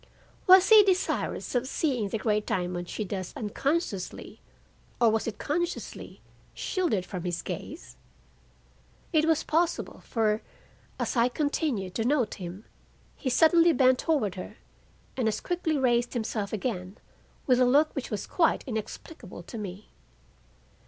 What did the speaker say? Was he desirous of seeing the great diamond she thus unconsciously (or was it consciously) shielded from his gaze? It was possible, for, as I continued to note him, he suddenly bent toward her and as quickly raised himself again with a look which was quite inexplicable to me.